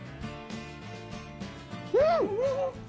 うん！